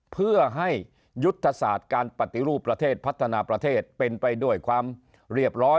เพื่อให้ยุทธศาสตร์การปฏิรูปประเทศพัฒนาประเทศเป็นไปด้วยความเรียบร้อย